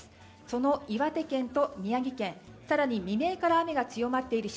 その岩手県と宮城県更に未明から雨が強まっている